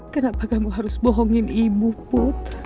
kenapa kamu harus bohongin ibu putri